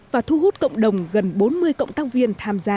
và thu hút cộng đồng gần bốn mươi cộng tác viên